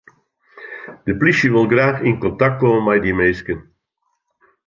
De plysje wol graach yn kontakt komme mei dy minsken.